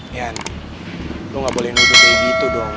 nihan lo gak boleh nuduh kayak gitu dong